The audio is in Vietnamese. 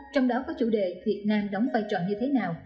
trong đó có chủ đề việt nam đóng vai trò như thế nào